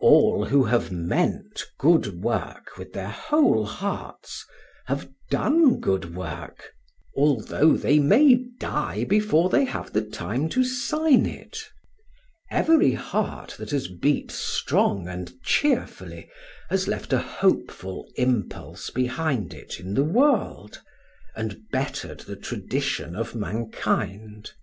All who have meant good work with their whole hearts, have done good work, although they may die before they have the time to sign it. Every heart that has beat strong and cheerfully has left a hopeful impulse behind it in the world, and bettered the tradition of mankind.